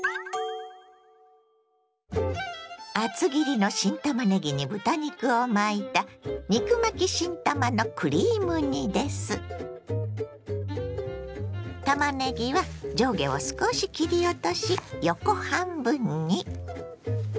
厚切りの新たまねぎに豚肉を巻いたたまねぎは上下を少し切り落とし横半分に。